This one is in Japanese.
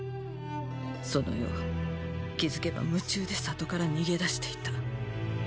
その夜気付けば夢中で里から逃げ出していた。